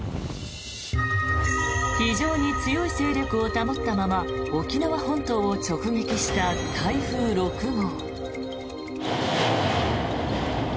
非常に強い勢力を保ったまま沖縄本島を直撃した台風６号。